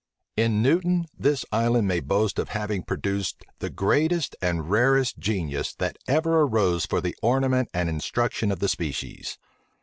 In Newton this island may boast of having produced the greatest and rarest genius that ever arose for the ornament and instruction of the species.